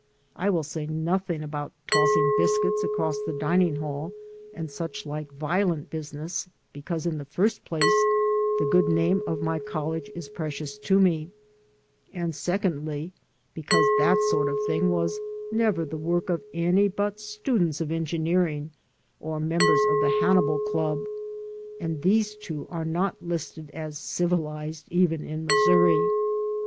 I will say nothing about tossing biscuits across the dining hall and such like violent business, because, in the first place, the good name of my college is precious to me, and, secondly, because that sort of thing was never the work of any but students of engineering or members of the Hannibal Club, and these two are not listed as civilized even in Missouri.